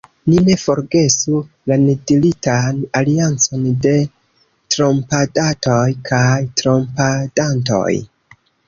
Ni ne forgesu la nediritan aliancon de trompadatoj kaj trompadantoj.